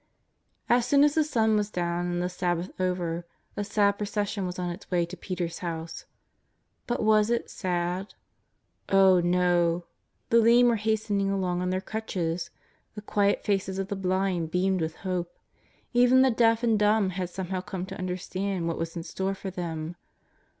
As soon as the sun was down and the Sabbath over, a sad procession was on its way to Peter's house. But was it sad ? Oh, no : the lame were hastening along on their crutches, the quiet faces of the blind beamed with hope, even the deaf and dumb had somehow come to understand what was in store for them.